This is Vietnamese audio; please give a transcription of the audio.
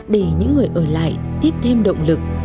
để những người ở lại tiếp thêm động lực